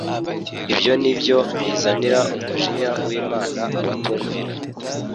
ibyo ni byo bizanira umujinya w’Imana abatumvira.